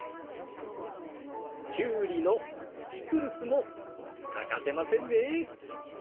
キュウリのピクルスも欠かせませんね。